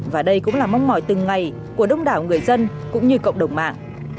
và đây cũng là mong mỏi từng ngày của đông đảo người dân cũng như cộng đồng mạng